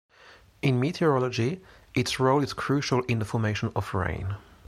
In meteorology, its role is crucial in the formation of rain.